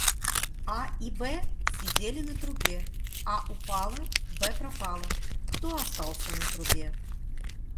А, И, Б сидели на трубе. А упала, Б пропала. Кто остался на трубе?